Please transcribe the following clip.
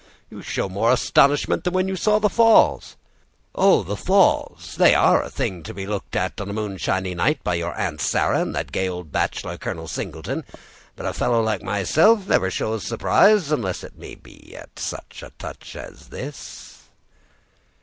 "You show more astonishment than when you saw the falls." "Oh, the falls!—they are a thing to be looked at on a moonshiny night, by your Aunt Sarah and that gay old bachelor, Colonel Singleton; but a fellow like myself never shows surprise, unless it may be at such a touch as this."